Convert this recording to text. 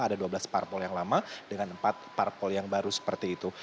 ada dua belas parpol yang lama dengan empat parpol yang baru seperti itu